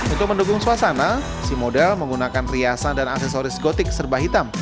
untuk mendukung suasana si model menggunakan riasan dan aksesoris gotik serba hitam